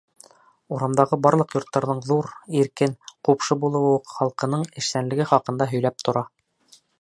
Урамдағы барлыҡ йорттарҙың ҙур, иркен, ҡупшы булыуы уҡ халҡының эшсәнлеге хаҡында һөйләп тора.